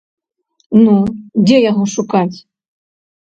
Ну, дзе яго шукаць?